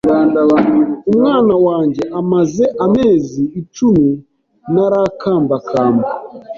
Umwana Wanjye amaze amezi icumi ntarakambakamba